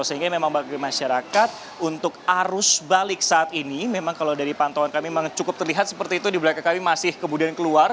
sehingga memang bagi masyarakat untuk arus balik saat ini memang kalau dari pantauan kami memang cukup terlihat seperti itu di belakang kami masih kemudian keluar